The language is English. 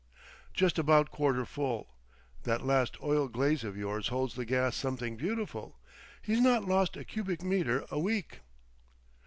"Just about quarter full. That last oil glaze of yours holds the gas something beautiful. He's not lost a cubic metre a week."...